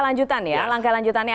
langkah lanjutan ya